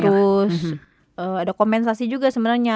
terus ada kompensasi juga sebenarnya